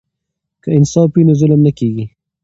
که انصاف وي نو ظلم نه کیږي.